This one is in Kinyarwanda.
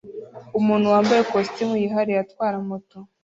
Umuntu wambaye ikositimu yihariye atwara moto